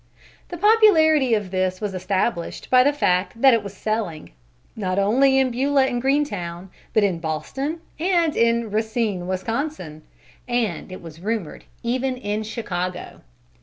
The popularity of this was established by the fact that it was selling, not only in Beulah and Greentown, but in Boston, and in Racine, Wisconsin, and, it was rumored, even in Chicago.